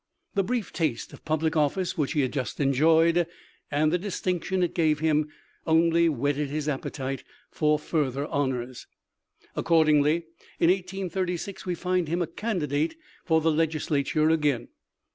The brief taste of public office which he had just enjoyed, and the distinction it gave him only whetted his appetite for further hon ors. Accordingly, in 1836 we find him a candidate for the Legislature again.